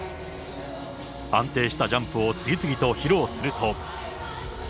安定したジャンプを次々と披露すると。